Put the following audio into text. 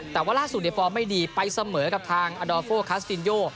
แต่ว่าล่าสุดในฟอร์มไม่ดีไปเสมอกับทางอดอโฟคัสตินโย